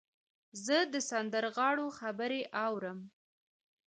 زه د سندرغاړو خبرې اورم.